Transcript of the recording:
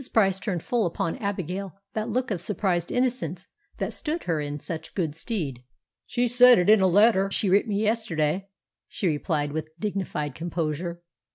Price turned full upon Abigail that look of surprised innocence that stood her in such good stead. "She said it in a letter she writ me yesterday," she replied with dignified composure.